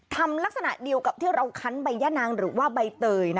ลักษณะเดียวกับที่เราคั้นใบย่านางหรือว่าใบเตย